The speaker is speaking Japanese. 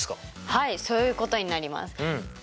はいそういうことになります。